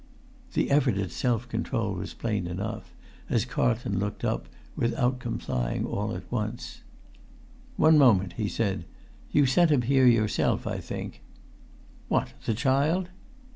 The effort at self control was plain enough,[Pg 284] as Carlton looked up, without complying all at once. "One moment," he said. "You sent him here yourself, I think?" "What, the child?"